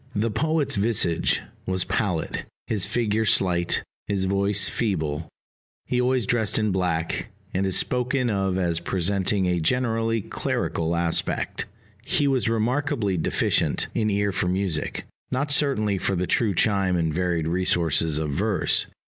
The poet's visage was pallid, his figure slight, his voice feeble; he always dressed in black, and is spoken of as presenting a generally clerical aspect. He was remarkably deficient in ear for music not certainly for the true chime and varied resources of verse.